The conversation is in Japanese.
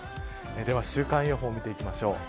では週間予報を見ていきましょう。